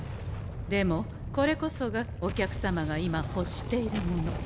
でもこれこそがお客様が今ほっしているもの。